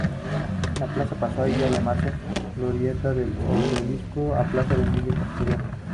La plaza pasó así de llamarse glorieta del Obelisco a plaza de Emilio Castelar.